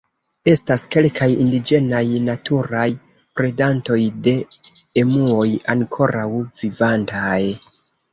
Estas kelkaj indiĝenaj naturaj predantoj de emuoj ankoraŭ vivantaj.